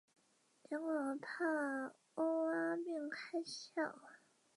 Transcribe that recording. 结果帕欧拉便开始笑。